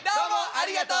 ありがとう。